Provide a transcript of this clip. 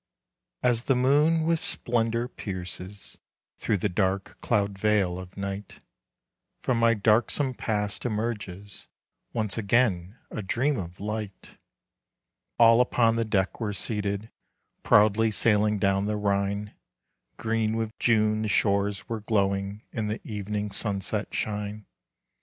As the moon with splendor pierces Through the dark cloud veil of night, From my darksome Past emerges Once again a dream of light. All upon the deck were seated, Proudly sailing down the Rhine. Green with June the shores were glowing In the evening's sunset shine.